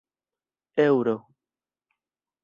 eŭro